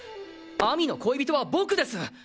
亜美の恋人は僕です！